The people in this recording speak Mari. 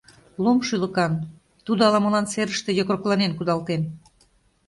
Лом шӱлыкан: тудо ала-молан серыште йокрокланен кудалтен.